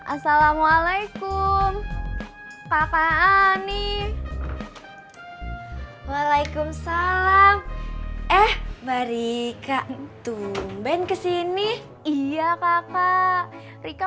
assalamualaikum kakak ani waalaikumsalam eh bari kak tumben kesini iya kakak rika